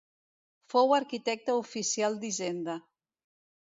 Fou arquitecte oficial d’Hisenda.